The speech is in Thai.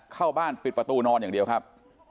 เข้าบ้านปิดประตูนอนอย่างเดียวครับ